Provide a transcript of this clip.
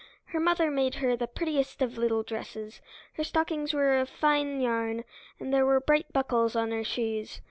Her mother made for her the prettiest of little dresses; her stockings were of fine yarn, and there were bright buckles on her shoes.